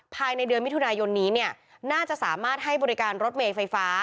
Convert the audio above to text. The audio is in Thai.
ภายในเดือนมิถุนายนนี้เนี่ยน่าจะสามารถให้บริการรถเมย์ไฟฟ้า